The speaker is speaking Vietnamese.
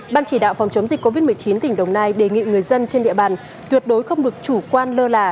ban chỉ đạo phòng chống dịch covid một mươi chín tỉnh đồng nai đề nghị người dân trên địa bàn tuyệt đối không được chủ quan lơ là